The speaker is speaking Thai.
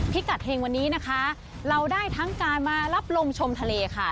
พิกัดเฮงวันนี้นะคะเราได้ทั้งการมารับลมชมทะเลค่ะ